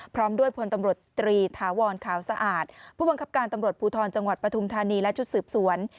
พร้อมด้วยพลตำรวจตรีถาวรขาวสะอาดผู้บังคับการตำรวจภูทรจังหวัดปฐุมธานีและชุดสืบสวน